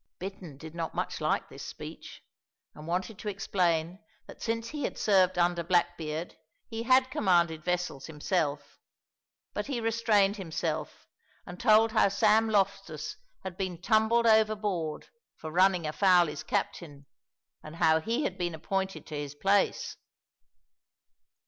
Bittern did not much like this speech, and wanted to explain that since he had served under Blackbeard he had commanded vessels himself, but he restrained himself and told how Sam Loftus had been tumbled overboard for running afoul his captain, and how he had been appointed to his place.